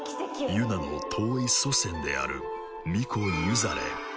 ユナの遠い祖先である巫女ユザレ。